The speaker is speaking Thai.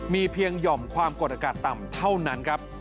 มีเพียงห่อมความกดอากาศต่ำเท่านั้นครับ